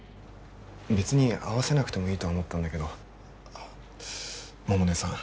別に合わせなくてもいいとは思ったんだけど百音さん。